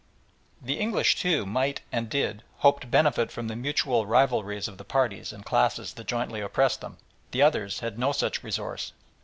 The English, too, might, and did, hope to benefit from the mutual rivalries of the parties and classes that jointly oppressed them. The others had no such resource.